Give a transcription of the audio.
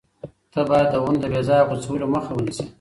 ته باید د ونو د بې ځایه غوڅولو مخه ونیسې.